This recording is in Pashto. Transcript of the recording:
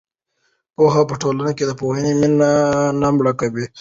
پوهه په ټولنه کې د پوهې مینه نه مړه کوي.